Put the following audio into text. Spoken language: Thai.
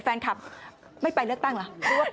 แฟนคลับไม่ไปเลือกตั้งเหรอ